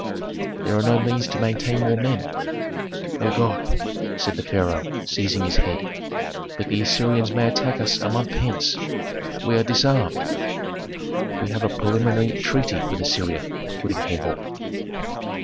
"There are no means to maintain more men." "O God!" said the Pharaoh, seizing his head. "But the Assyrians may attack us a month hence. We are disarmed " "We have a preliminary treaty with Assyria," put in Herhor.